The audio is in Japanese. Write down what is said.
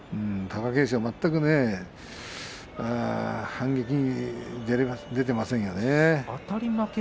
貴景勝全く反撃に出ていませんよね。